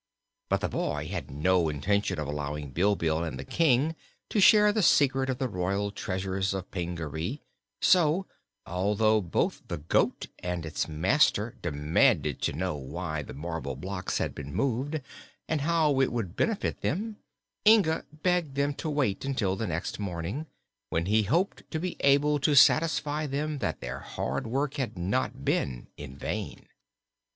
But the boy had no intention of allowing Bilbil and the King to share the secret of the royal treasures of Pingaree; so, although both the goat and its master demanded to know why the marble blocks had been moved, and how it would benefit them, Inga begged them to wait until the next morning, when he hoped to be able to satisfy them that their hard work had not been in vain.